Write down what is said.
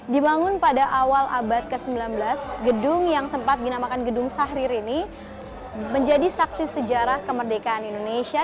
dibangun pada awal abad ke sembilan belas gedung yang sempat dinamakan gedung sahrir ini menjadi saksi sejarah kemerdekaan indonesia